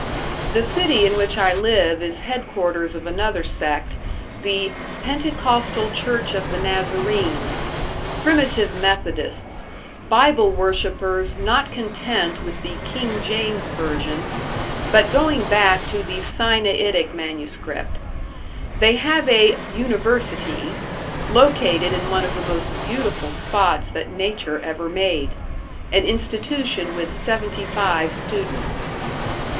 The city in which I live is headquarters of another sect, the "Pentecostal Church of the Nazarene"; primitive Methodists, Bible worshippers not content with the King James version, but going back to the Sinaitic MS. They have a "University", located in one of the most beautiful spots that Nature ever made; an institution with seventy five students.